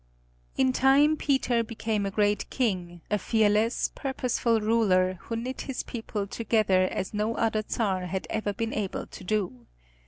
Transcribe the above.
In time Peter became a great king, a fearless, purposeful ruler who knit his people together as no other Czar had ever been able to do.